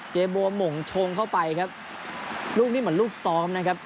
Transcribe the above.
บัวหม่งชงเข้าไปครับลูกนี้เหมือนลูกซ้อมนะครับ